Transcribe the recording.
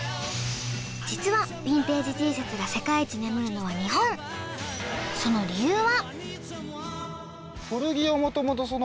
実はヴィンテージＴシャツが世界一眠るのは日本その理由は？